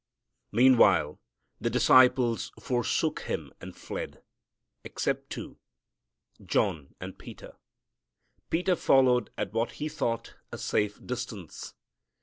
Meanwhile the disciples forsook Him and fled, except two, John and Peter. Peter followed at what he thought a safe distance.